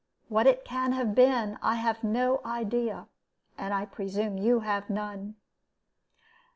What it can have been I have no idea, and I presume you have none."